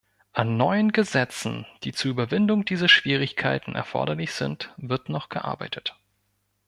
An neuen Gesetzen, die zur Überwindung dieser Schwierigkeiten erforderlich sind, wird noch gearbeitet.